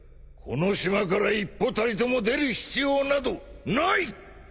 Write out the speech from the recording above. この島から一歩たりとも出る必要などない！